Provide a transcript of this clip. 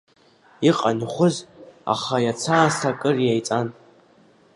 Иҟан ихәыз, аха иацы аасҭа акыр иеиҵан.